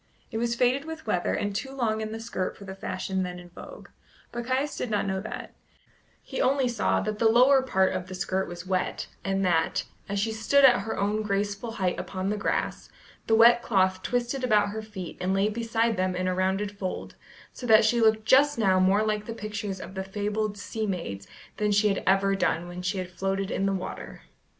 It was faded with weather, and too long in the skirt for the fashion then in vogue, but Caius did not know that; he only saw that the lower part of the skirt was wet, and that, as she stood at her own graceful height upon the grass, the wet cloth twisted about her feet and lay beside them in a rounded fold, so that she looked just now more like the pictures of the fabled sea maids than she had ever done when she had floated in the water.